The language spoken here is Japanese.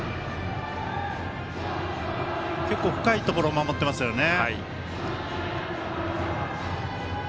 結構、深いところ守っていましたよね。